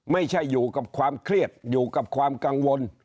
ไม่ใช่อยู่กับความเครียดอยู่กับความกังวล